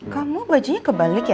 kamu bajunya kebalik ya